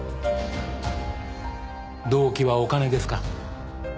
動機はお金ですか？